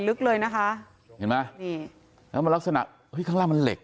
เห็นไหมแล้วมันลักษณะอุ๊ยข้างล่างมันเหล็ก